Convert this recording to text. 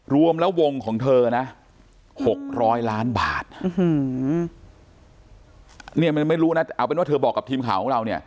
รวมแล้ววงของเธอนะ๖๐๐ล้านบาทเนี่ยมันไม่รู้นะเอาเป็นว่าเธอบอกกับทีมข่าวของเราเนี่ย